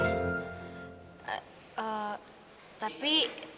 eh eh tapi